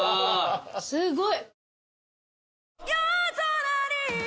すごい。